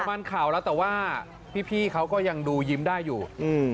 มันเข่าแล้วแต่ว่าพี่เขาก็ยังดูยิ้มได้อยู่อืม